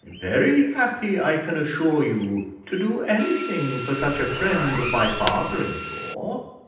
Very happy, I can assure you, to do anything for such a friend of my father in law."